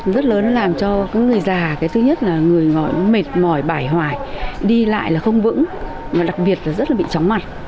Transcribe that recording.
rất lớn làm cho người già thứ nhất là người mệt mỏi bãi hoài đi lại là không vững và đặc biệt là rất là bị tróng mặt